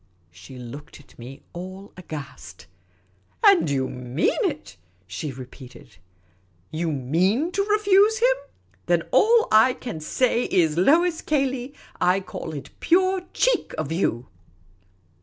She looked at me, all aghast. " And you mean it !" she repeated. " You mean to refuse him. Then, all I can say is, Lois Cayley, I call it pure cheek of you